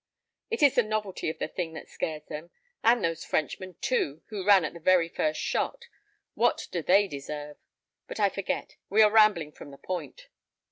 It is the novelty of the thing that scares them: and those Frenchmen, too, who ran at the very first shot, what do they deserve? But I forget; we are rambling from the point."